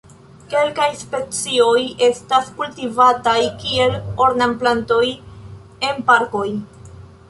Kelkaj specioj estas kultivataj kiel ornamplantoj en parkoj.